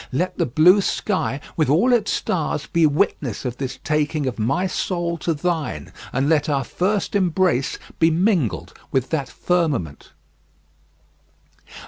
Let the blue sky, with all its stars, be witness of this taking of my soul to thine; and let our first embrace be mingled with that firmament."